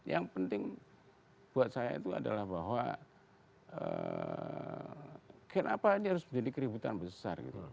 yang penting buat saya itu adalah bahwa kenapa ini harus menjadi keributan besar gitu